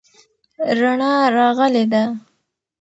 رڼا راغلې ده.